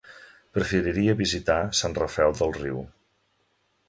Preferiria visitar Sant Rafel del Riu.